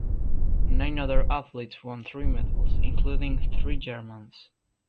Nine other athletes won three medals, including three Germans.